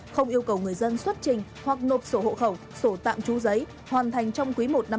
không yêu cầu người dân xuất trình hoặc nộp sổ hộ khẩu sổ tạm trú giấy hoàn thành trong quý i năm hai nghìn hai mươi